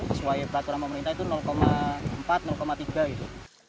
sesuai peraturan pemerintah itu empat tiga gitu